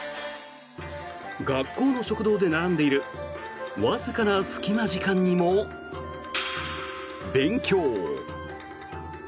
学校の食堂で並んでいるわずかな隙間時間にも勉強。